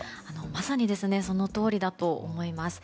まさにそのとおりだと思います。